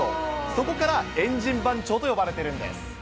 そこから円陣番長と呼ばれているんです。